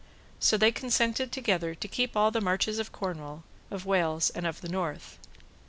So they consented together to keep all the marches of Cornwall, of Wales, and of the North.